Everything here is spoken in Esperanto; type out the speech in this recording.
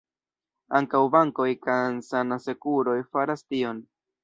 Ankaŭ bankoj kaj sanasekuroj faras tion.